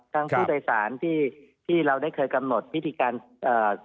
ทั้งผู้โดยสารที่เราได้เกิดกำหนดพิธีกรรม